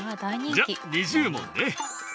じゃあ２０文ね。